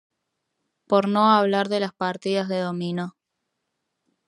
Por no hablar de las partidas de dominó.